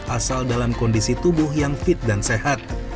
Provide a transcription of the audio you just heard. asal dalam kondisi tubuh yang fit dan sehat